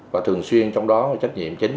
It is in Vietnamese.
và thường xuyên trong đó trách nhiệm chính